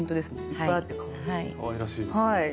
かわいらしいですよね。